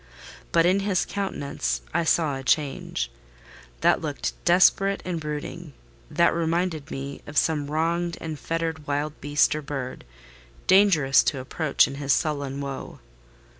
But in his countenance I saw a change: that looked desperate and brooding—that reminded me of some wronged and fettered wild beast or bird, dangerous to approach in his sullen woe.